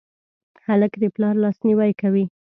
هلک د پلار لاسنیوی کوي.